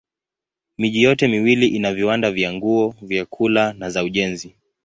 Miji yote miwili ina viwanda vya nguo, vyakula na za ujenzi.